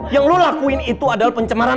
yang lo lakuin itu adalah pencemaran